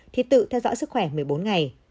thì tự theo dõi sức khỏe một mươi bốn ngày